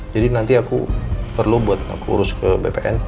jadi nanti aku perlu buat aku urus ke bpn